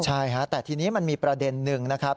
ใช่ฮะแต่ทีนี้มันมีประเด็นหนึ่งนะครับ